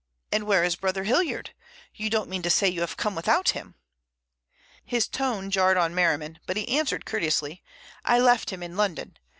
And where is brother Hilliard? You don't mean to say you have come without him?" His tone jarred on Merriman, but he answered courteously: "I left him in London.